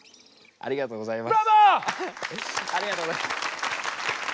ありがとうございます。